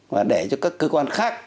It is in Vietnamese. và để cho các cơ quan khác